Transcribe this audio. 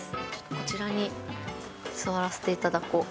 こちらに座らせていただこう。